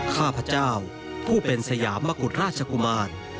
ข้าพเจ้าผู้เป็นสยามมกุฎราชกุมาร